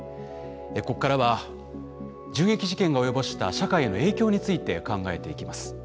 ここからは銃撃事件が及ぼした社会への影響について考えていきます。